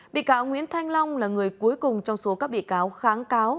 bị cáo nguyễn thanh long là người cuối cùng trong số các bị cáo kháng cáo